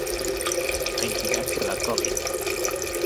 A incidencia da Covid.